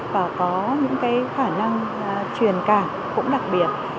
và có những cái khả năng truyền cảm cũng đặc biệt